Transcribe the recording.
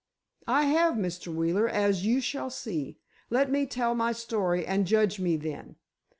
"I have, Mr. Wheeler, as you shall see. Let me tell my story and judge me then.